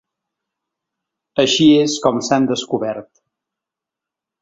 Així és com s’han descobert.